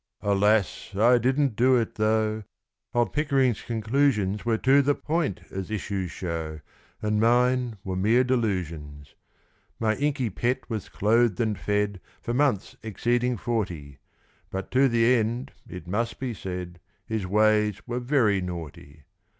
Alas, I didn't do it though! Old Pickering's conclusions Were to the point, as issues show, And mine were mere delusions. My inky pet was clothed and fed For months exceeding forty; But to the end, it must be said, His ways were very naughty.